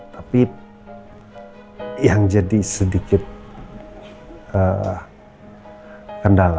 tapi yang jadi sedikit kendala